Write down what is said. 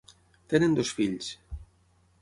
Tenen dos fills.